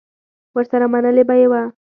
ورسره منلې به یې وه.